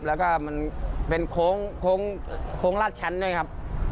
แล้วก็มันเป็นโค้งลาดชั้นด้วยครับ